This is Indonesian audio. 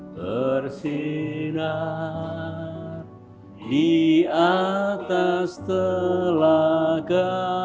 tersinar di atas telaga